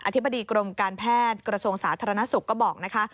ธิบดีกรมการแพทย์กระทรวงสาธารณสุขก็บอกนะคะ